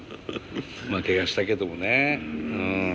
まあけがしたけどもね。